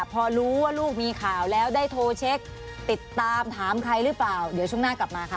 พอรู้ว่าลูกมีข่าวแล้วได้โทรเช็คติดตามถามใครหรือเปล่าเดี๋ยวช่วงหน้ากลับมาค่ะ